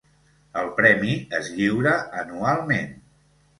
El premi es lliura anualment.